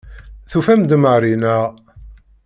Tufam-d Mary, naɣ?